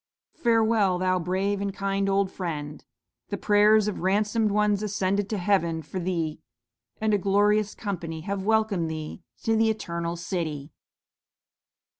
"'Farewell, thou brave and kind old Friend! The prayers of ransomed ones ascended to Heaven for thee, and a glorious company have welcomed thee to the Eternal City.'"